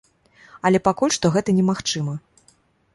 Але пакуль што гэта немагчыма.